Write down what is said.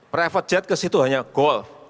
private jet ke situ hanya golf